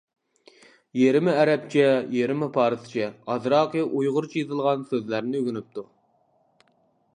يېرىمى ئەرەبچە، يېرىمى پارسچە، ئازراقى ئۇيغۇرچە يېزىلغان سۆزلەرنى ئۆگىنىپتۇ.